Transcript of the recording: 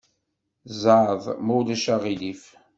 Zɛeḍ, ma ulac aɣilif.